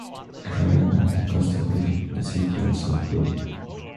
Crime and the cost of living in the city also grew.